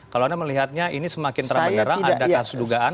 kalau anda melihatnya ini semakin terangkan